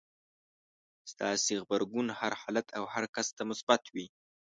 ستاسې غبرګون هر حالت او هر کس ته مثبت وي.